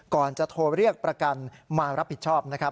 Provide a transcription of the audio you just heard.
ก่อนจะโทรเรียกประกันมารับผิดชอบนะครับ